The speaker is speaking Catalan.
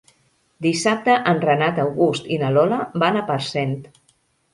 Dissabte en Renat August i na Lola van a Parcent.